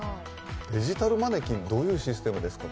デジタルマネキン、どういうシステムですか？